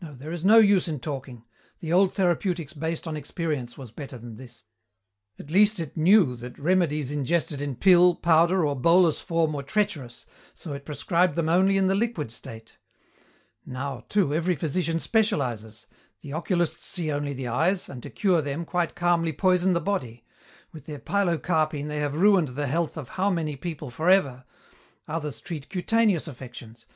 "No, there is no use in talking. The old therapeutics based on experience was better than this. At least it know that remedies ingested in pill, powder, or bolus form were treacherous, so it prescribed them only in the liquid state. Now, too, every physician specializes. The oculists see only the eyes, and, to cure them, quite calmly poison the body. With their pilocarpine they have ruined the health of how many people for ever! Others treat cutaneous affections.